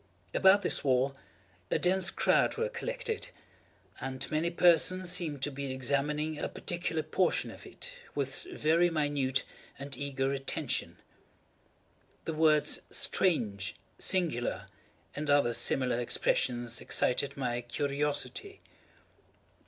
About this wall a dense crowd were collected, and many persons seemed to be examining a particular portion of it with very minute and eager attention. The words "strange!" "singular!" and other similar expressions, excited my curiosity.